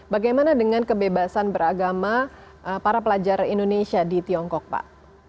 bagaimana dengan kebebasan beragama para pelajar indonesia di tiongkok pak